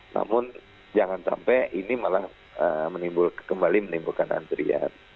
namun jangan sampai ini malah kembali menimbulkan antrian